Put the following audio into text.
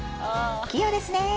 器用ですねえ。